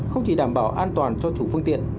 không chỉ đảm bảo an toàn cho chủ phương tiện